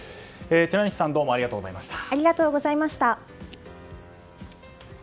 寺西さんどうもありがとうございました。